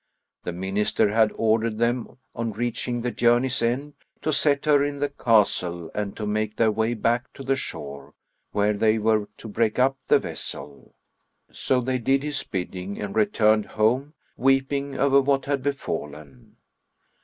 The Minister had ordered them, on reaching the journey's end, to set her in the castle and to make their way back to the shore, where they were to break up the vessel. So they did his bidding and returned home, weeping over what had befallen.